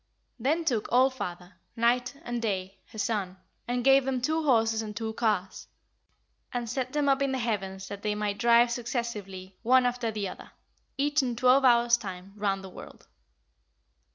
Then took All father, Night, and Day, her son, and gave them two horses and two cars, and set them up in the heavens that they might drive successively one after the other, each in twelve hours' time, round the world.